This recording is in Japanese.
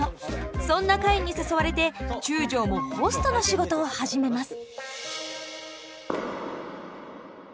そんなカインに誘われて中将もホストの仕事を始めます。